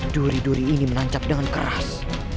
duri duri ini menancap dengan keras